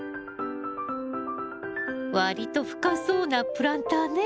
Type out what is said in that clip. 割と深そうなプランターね。